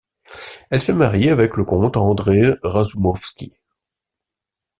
Elle se marie avec le comte André Razumovsky.